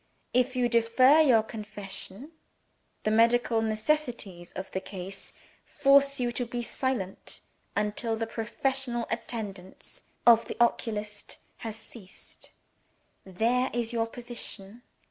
If you defer your confession, the medical necessities of the case force you to be silent, until the professional attendance of the oculist has ceased. There is your position!